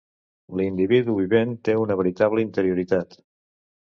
L'individu vivent té una veritable interioritat.